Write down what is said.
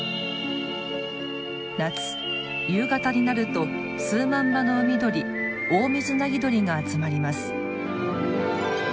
夏夕方になると数万羽の海鳥オオミズナギドリが集まります。